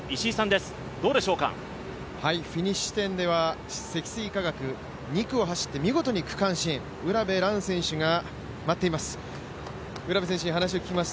フィニッシュ地点では積水化学、２区を走って見事に区間新、卜部蘭選手が待っています。